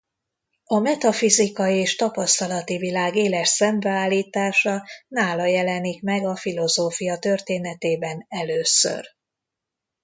A metafizika és tapasztalati világ éles szembeállítása nála jelenik meg a filozófia történetében először.